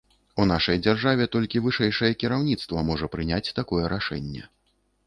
І ў нашай дзяржаве толькі вышэйшае кіраўніцтва можа прыняць такое рашэнне.